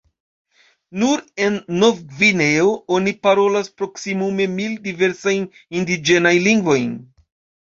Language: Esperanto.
Nur en Nov-Gvineo oni parolas proksimume mil diversajn indiĝenajn lingvojn.